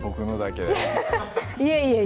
けいえいえ